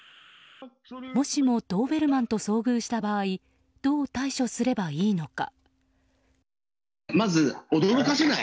もしもドーベルマンと遭遇した場合どう対処すればいいのか。